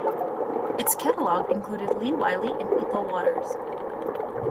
Its catalogue included Lee Wiley and Ethel Waters.